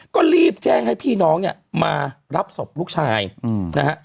ก็รีบแจ้งให้พี่น้องเนี่ยมารับศพลูกชายนะฮะ